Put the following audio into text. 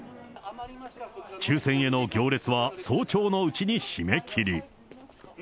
抽せんへの行列は早朝のうちに締め切り。